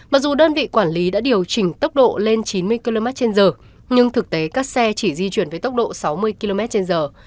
mặc dù đơn vị quản lý đã điều chỉnh tốc độ lên chín mươi km trên giờ nhưng thực tế các xe chỉ di chuyển với tốc độ sáu mươi km trên giờ